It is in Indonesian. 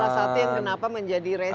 jadi salah satu yang kenapa menjadi resistensi